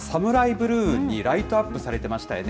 ブルーにライトアップされてましたよね。